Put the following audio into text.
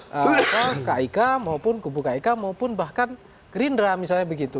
kupu kaika maupun kupu kaika maupun bahkan gerindra misalnya begitu